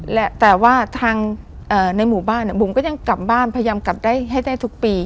แหละแต่ว่าทางในหมู่บ้านบุ๋มก็ยังกลับบ้านพยายามกลับได้ให้ได้ทุกปี